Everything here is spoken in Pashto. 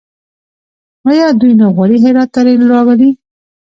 آیا دوی نه غواړي هرات ته ریل راولي؟